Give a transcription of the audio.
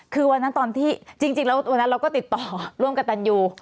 คือวันนั้นตอนที่จริงแล้ววันนั้นเราก็ติดต่อร่วมกับตันยู